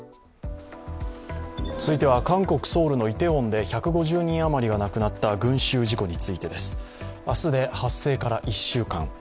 続いては、韓国ソウルのイテウォンで１５０人余りが亡くなった群集事故についてです。明日で発生から１週間。